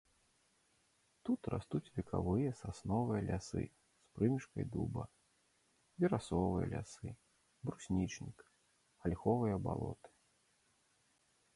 Тут растуць векавыя сасновыя лясы з прымешкай дуба, верасовыя лясы, бруснічнік, альховыя балоты.